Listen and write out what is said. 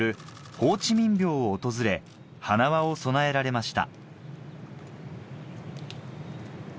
ホーチミン廟を訪れ花輪を供えられました